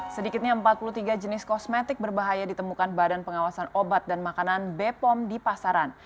sedikitnya empat puluh tiga jenis kosmetik berbahaya ditemukan badan pengawasan obat dan makanan bepom di pasaran